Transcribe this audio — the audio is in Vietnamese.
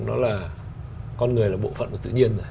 nó là con người là bộ phận của tự nhiên